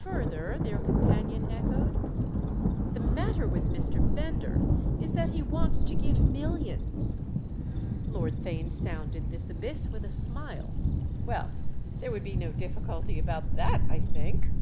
"Further?" their companion echoed. "The matter with Mr. Bender is that he wants to give millions." Lord Theign sounded this abyss with a smile. "Well, there would be no difficulty about that, I think!"